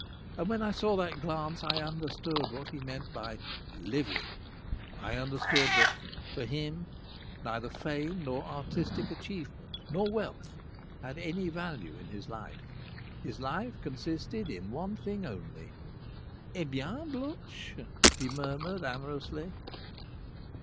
And when I saw that glance I understood what he meant by "living." I understood that, for him, neither fame nor artistic achievement nor wealth had any value in his life. His life consisted in one thing only. "Eh bien, Blanche!" he murmured amorously.